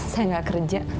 saya gak kerja